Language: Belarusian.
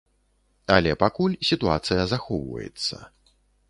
Але пакуль сітуацыя захоўваецца.